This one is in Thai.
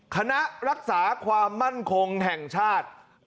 คณะรักษาความมั่นคงแห่งชาติ